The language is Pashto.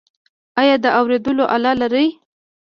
ایا د اوریدلو آله لرئ؟